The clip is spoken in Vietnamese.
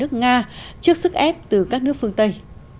nước nga trước sức ép từ các nước phương tây